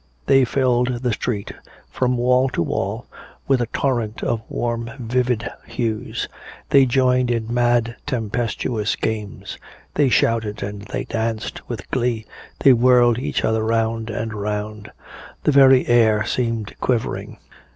They filled the street from wall to wall with a torrent of warm vivid hues, they joined in mad tempestuous games, they shouted and they danced with glee, they whirled each other 'round and 'round. The very air seemed quivering.